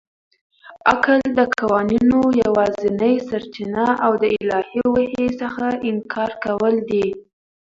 عقل د قوانینو یوازنۍ سرچینه او د الهي وحي څخه انکار کول دي.